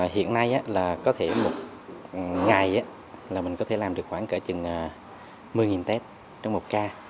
hiện nay là có thể một ngày là mình có thể làm được khoảng kể chừng một mươi test trong một ca